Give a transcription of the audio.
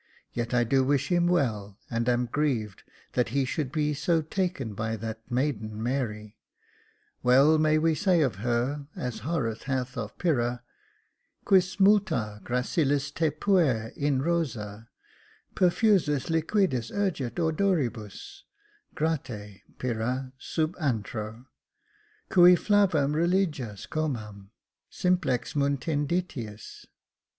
Yet do I wish him well, and am grieved that he should be so taken by that maiden, Mary, Well may we say of her, as Horace hath of Pyrrha —* Quis miiltd gracilis te puer in rosd, perfusis liquidis urgit odoribus, grate , Pyrrha, sub antra, Cui jlavam religas comam, simplex , munditiis.''